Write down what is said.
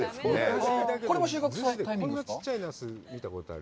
これも収穫のタイミングですか？